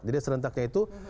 jadi serentaknya itu